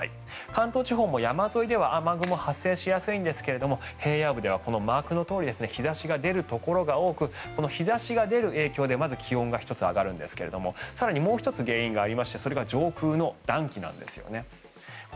関東地方でも山沿いは雷が発生しやすいんですが平野部もマークどおり日差しが出るところが多く日差しが出る影響でまず気温が１つ上がるんですが更にもう１つ原因がありましてそれが上空の暖気なんですよね。